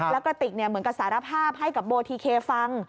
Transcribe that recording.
แล้วกระติกเหมือนกับสารภาพให้กับโบทีเคฟัง